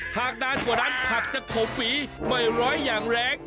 หากนานกว่านั้นผักจะขมฝีไม่ร้อยอย่างแรง